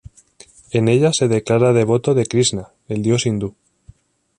En ella se declara devoto de Krishna, el dios hindú.